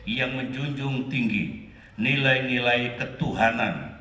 yang menjunjung tinggi nilai nilai ketuhanan